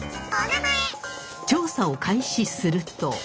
調査を開始すると。